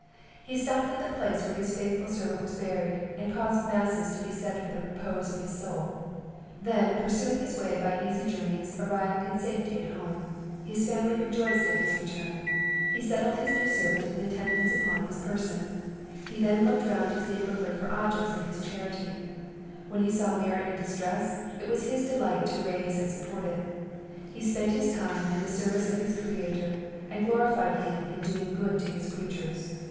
He stopped at the place where his faithful servant was buried, and caused masses to be said for the repose of his soul; then, pursuing his way by easy journeys, arrived in safety at home. His family rejoiced at his return; he settled his new servant in attendance upon his person; he then looked round his neighbourhood for objects of his charity; when he saw merit in distress, it was his delight to raise and support it; he spent his time in the service of his Creator, and glorified him in doing good to his creatures.